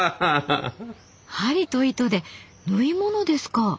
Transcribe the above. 針と糸で縫い物ですか。